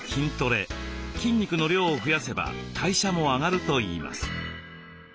筋肉の量を増やせば代謝も上がるといいます。